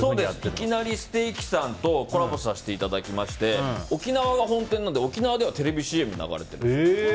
いきなりステーキさんとコラボさせていただきまして沖縄が本店なので沖縄ではテレビＣＭが流れてます。